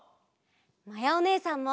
まやおねえさんも！